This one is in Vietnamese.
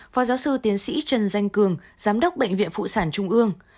phó giáo sư tiến sĩ trần danh cường giám đốc bệnh viện phụ sản trung ương